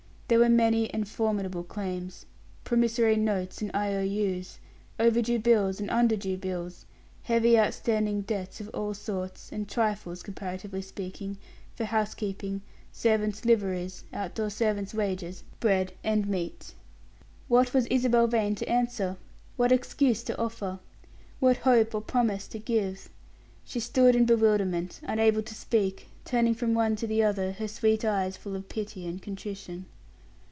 There were many and formidable claims; promissory notes and I O Us, overdue bills and underdue bills; heavy outstanding debts of all sorts, and trifles, comparatively speaking, for housekeeping, servants' liveries, out door servants' wages, bread and meat. What was Isabel Vane to answer? What excuse to offer? What hope or promise to give? She stood in bewilderment, unable to speak, turning from one to the other, her sweet eyes full of pity and contrition.